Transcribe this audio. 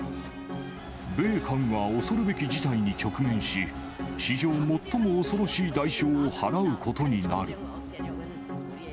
米韓は恐るべき事態に直面し、史上最も恐ろしい代償を払うことになる。